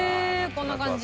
こんな感じ。